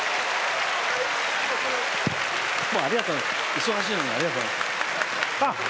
忙しいのにありがとうございます。